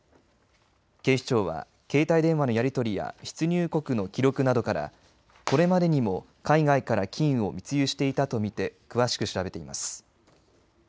警視庁は携帯電話のやり取りや出入国の記録などからこれまでにも海外から金を密輸していたと見て詳しく調べています。